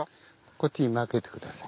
こっちにまけてください。